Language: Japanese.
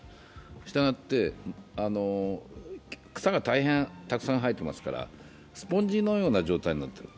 したがって草が大変たくさん生えてますからスポンジのような状態になっている。